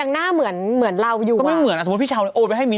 อันนี้ถือว่าผิดไหม